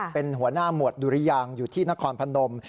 เป็นหัวหน้าหมวดดุริยางอยู่ที่นครพนม